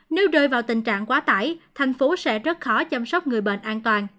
nếu rơi vào tình trạng quá tải thành phố sẽ rất khó chăm sóc người bệnh an toàn